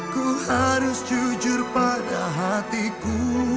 ku harus jujur pada hatiku